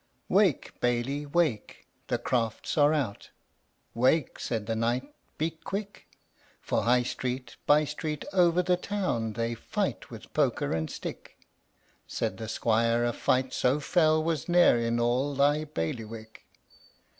"Wake, baillie, wake! the crafts are out; Wake!" said the knight, "be quick! For high street, bye street, over the town They fight with poker and stick." Said the squire, "A fight so fell was ne'er In all thy bailliewick."